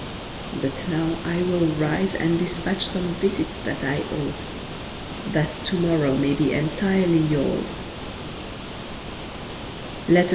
But now I will rise and despatch some visits that I owe, that to morrow may be entirely yours.